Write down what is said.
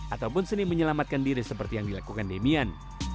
ataupun seni menyelamatkan diri seperti yang dilakukan demian